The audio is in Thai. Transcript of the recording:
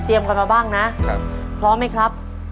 เตรียมกันมาบ้างนะพร้อมไหมครับ